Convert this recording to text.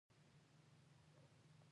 هر کس ئې بايد ملاتړ وکي!